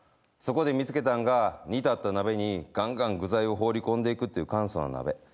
そこで見つけたんが煮立った鍋に具材を放り込んでいくっていう簡素な鍋。